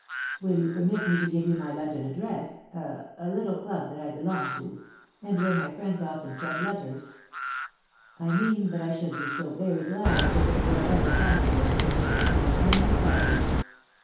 Will you permit me to give you my London address a a little club that I belong to, and where my friends often send letters? I mean that I should be so very glad if it were ever possible for me to serve you in any trifle.